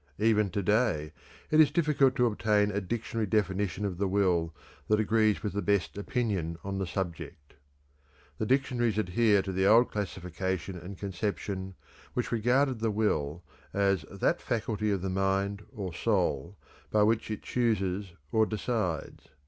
Even to day it is difficult to obtain a dictionary definition of the will that agrees with the best opinion on the subject. The dictionaries adhere to the old classification and conception which regarded the will as "that faculty of the mind or soul by which it chooses or decides."